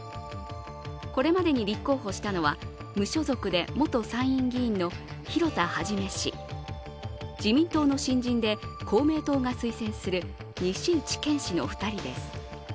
これまでに立候補したのは、無所属で元参院議員の広田一氏、自民党の新人で、公明党が推薦する西内健氏の２人です。